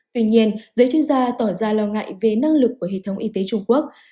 tuy nhiên giới chuyên gia tỏ ra lo ngại về năng lực của hệ thống y tế trung quốc